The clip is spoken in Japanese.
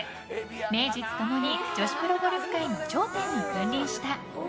名実共に、女子プロゴルフ界の頂点に君臨した。